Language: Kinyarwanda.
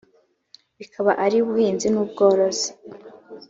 bikaba ari ubuhinzi n ubworozi